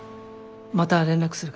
また連絡するから。